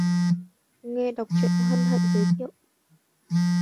Nghe đọc truyện hân hạnh giới thiệu